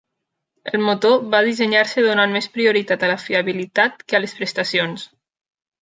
El motor va dissenyar-se donant més prioritat a la fiabilitat que a les prestacions.